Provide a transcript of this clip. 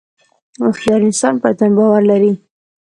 • هوښیار انسان پر ځان باور لري.